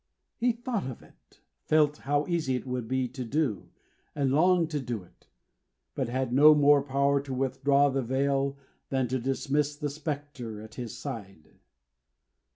He thought of it, felt how easy it would be to do, and longed to do it; but had no more power to withdraw the veil than to dismiss the spectre at his side.